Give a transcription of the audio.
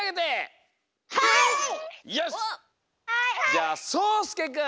じゃあそうすけくん。